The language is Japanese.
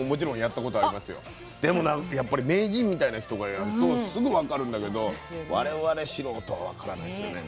でもやっぱり名人みたいな人がやるとすぐ分かるんだけど我々素人は分からないですよね